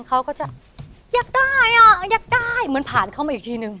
เขาก็จะอยากได้อ่ะอยากได้เหมือนผ่านเข้ามาอีกทีนึง